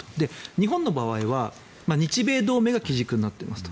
日本の場合は日米同盟が基軸になっていますと。